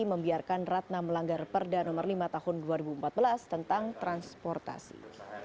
membiarkan ratna melanggar perda nomor lima tahun dua ribu empat belas tentang transportasi